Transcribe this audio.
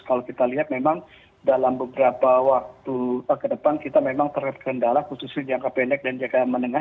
kalau kita lihat memang dalam beberapa waktu ke depan kita memang terkendala khususnya jangka pendek dan jangka menengah